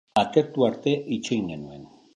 Atertu arte itxoin genuen.